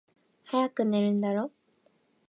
早く寝るんだろ？